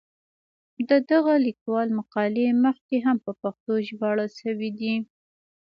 د دغه لیکوال مقالې مخکې هم په پښتو ژباړل شوې دي.